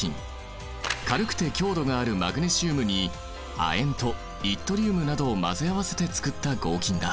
軽くて強度があるマグネシウムに亜鉛とイットリウムなどを混ぜ合わせてつくった合金だ。